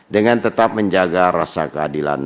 dengan tetap menjaga rasa keadilan